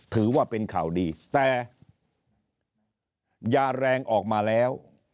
ถือว่าเป็นข่าวดีแต่ยาแรงออกมาแล้ว